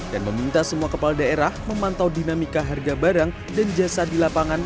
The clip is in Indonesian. dan meminta semua kepala daerah memantau dinamika harga barang dan jasa di lapangan